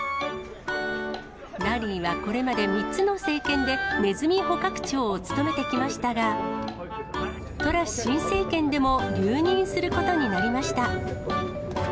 ラリーはこれまで３つの政権でネズミ捕獲長を務めてきましたが、トラス新政権でも留任することになりました。